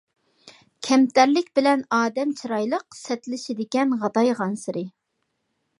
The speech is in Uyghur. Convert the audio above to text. كەمتەرلىك بىلەن ئادەم چىرايلىق، سەتلىشىدىكەن غادايغانسېرى.